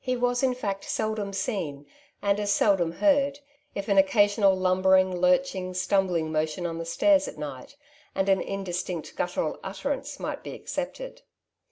43 was in fact seldom seen^ and as seldom heard, if an occasional lumbering, lurching, stumbling motion on the stairs at night, and an indistinct guttural utterance might be excepted.